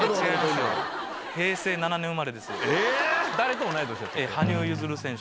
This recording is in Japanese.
誰と同い年？